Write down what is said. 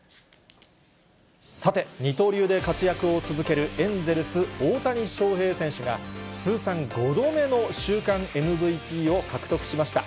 さて、二刀流で活躍を続けるエンゼルス、大谷翔平選手が、通算５度目の週間ＭＶＰを獲得しました。